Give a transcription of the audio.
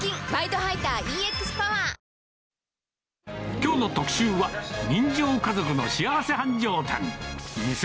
きょうの特集は、人情家族の幸せ繁盛店。